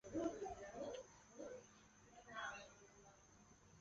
鲫鱼草是禾本科画眉草属的植物。